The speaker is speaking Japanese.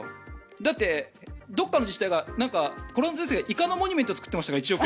だって、どこかの自治体がコロナ情勢でイカのモニュメントを作っていましたから。